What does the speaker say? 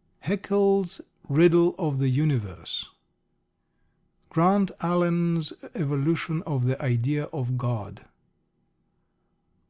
_ Haeckel's Riddle of the Universe. Grant Allen's _Evolution of the Idea of God.